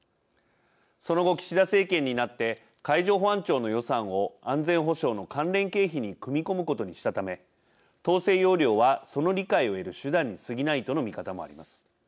その後、岸田政権になって海上保安庁の予算を安全保障の関連経費に組み込むことにしたため統制要領はその理解を得る手段にすぎないとの見方もあります。